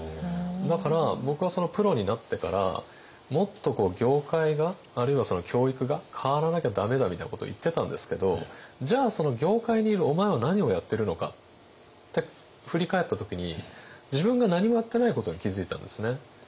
だから僕はプロになってからもっと業界があるいはその教育が変わらなきゃ駄目だみたいなことを言ってたんですけどじゃあその業界にいるお前は何をやってるのかって振り返った時に自分が何もやってないことに気付いたんですね。